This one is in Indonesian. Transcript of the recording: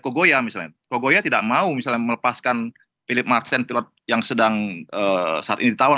kogoya misalnya kogoya tidak mau misalnya melepaskan philip martin pilot yang sedang saat ini ditawar